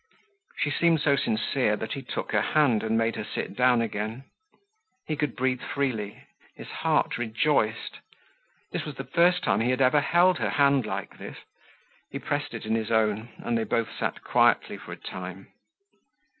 She seemed so sincere that he took her hand and made her sit down again. He could breathe freely; his heart rejoiced. This was the first time he had ever held her hand like this. He pressed it in his own and they both sat quietly for a time.